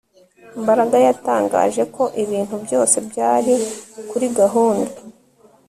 Mbaraga yatangaje ko ibintu byose byari kuri gahunda